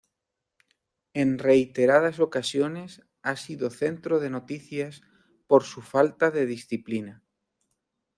En reiteradas ocasiones ha sido centro de noticias por su falta de disciplina.